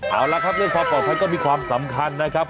เอาละครับเรื่องความปลอดภัยก็มีความสำคัญนะครับ